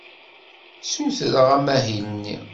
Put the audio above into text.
Ssutreɣ amahil-nni.